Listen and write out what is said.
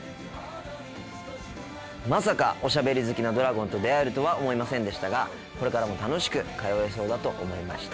まさかおしゃべり好きなドラゴンと出会えるとは思いませんでしたがこれからも楽しく通えそうだと思いました。